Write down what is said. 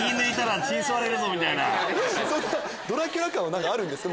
ドラキュラ感はあるんですか？